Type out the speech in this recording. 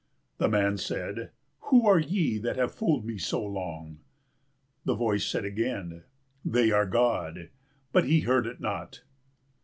The man said, "Who are ye that have fooled me so long?" The voice said again, "They are God," but he heard it not.